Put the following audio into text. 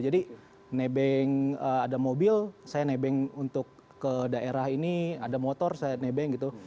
jadi nebeng ada mobil saya nebeng untuk ke daerah ini ada motor saya nebeng gitu